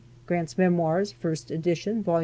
(Grant's Memoirs, 1st Edition, Vol.